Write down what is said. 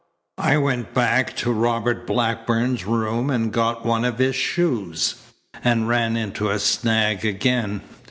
I went back to Robert Blackburn's room and got one of his shoes, and ran into a snag again.